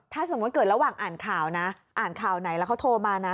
ถ้าสมมุติเกิดระหว่างอ่านข่าวแล้วเขาโทรมานะ